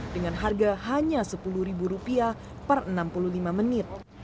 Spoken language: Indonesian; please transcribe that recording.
dengan harga hanya rp sepuluh per enam puluh lima menit